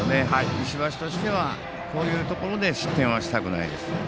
石橋としては、こういうところで失点はしたくないですね。